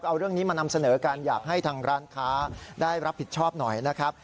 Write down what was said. เอาเรื่องนี้มานำเสนอกันอยากให้ทางร้านค้าได้รับผิดชอบหน่อยนะครับ